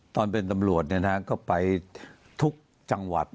ตอนเป็นตำรวจก็ไปทุกจังหวัด